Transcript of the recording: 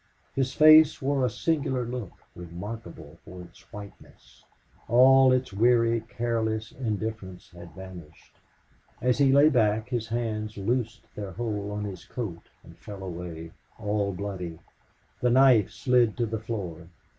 His face wore a singular look, remarkable for its whiteness. All its weary, careless indifference had vanished. As he lay back his hands loosed their hold of his coat and fell away all bloody. The knife slid to the floor.